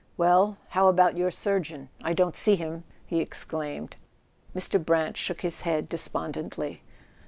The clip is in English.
''Well—how about your surgeon? I don't see him!" he exclaimed. Mr. Brant shook his head despondently.